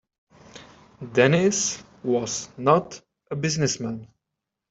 Dennis was not a business man.